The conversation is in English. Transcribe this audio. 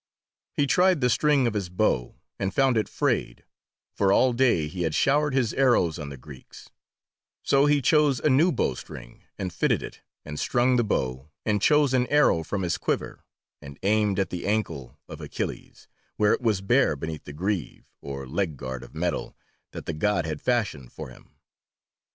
He tried the string of his bow, and found it frayed, for all day he had showered his arrows on the Greeks; so he chose a new bowstring, and fitted it, and strung the bow, and chose an arrow from his quiver, and aimed at the ankle of Achilles, where it was bare beneath the greave, or leg guard of metal, that the God had fashioned for him.